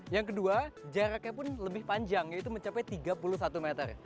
yang kedua jaraknya pun lebih panjang yaitu mencapai tiga puluh satu meter